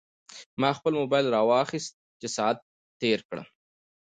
ما خپل موبایل راواخیست چې ساعت تېر کړم.